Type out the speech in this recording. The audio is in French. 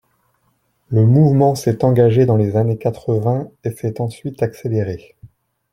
Le mouvement s’est engagé dans les années quatre-vingts et s’est ensuite accéléré.